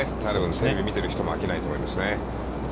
テレビを見ている人も飽きないと思いますね。